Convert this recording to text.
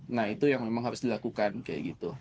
nah itu yang memang harus dilakukan kayak gitu